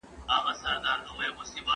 د افغانستان دښمنان غواړي موږ وویشي.